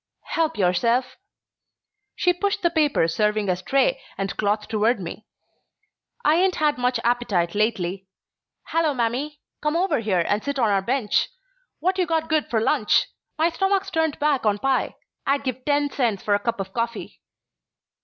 "Help yourself." She pushed the paper serving as tray and cloth toward me. "I ain't had much appetite lately. Hello, Mamie! Come over here and sit on our bench. What you got good for lunch? My stomach's turned back on pie. I'd give ten cents for a cup of coffee."